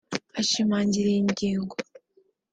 Ashimangira iyi ngingo